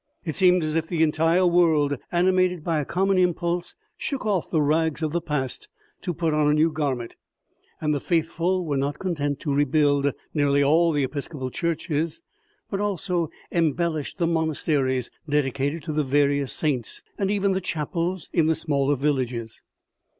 It seemed as if the entire world, animated by a common impulse, shook off the rags of the past to put on a new garment ; and the faithful were not content to rebuild nearly all the episcopal churches, but also embellished the monasteries dedicated to the various saints, and even the chapels in the smaller villages."